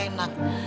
awalnya kakak enak